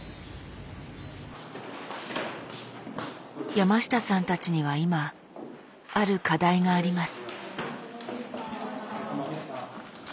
山下さんたちには今ある課題があります。